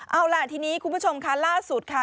เอาล่ะทีนี้คุณผู้ชมค่ะล่าสุดค่ะ